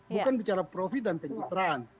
bukan bicara profit dan pencitraan